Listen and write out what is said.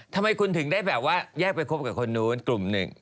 ทำไมคุณถึงได้แบบว่าแยกไปคบกับคนนู้นกลุ่มหนึ่ง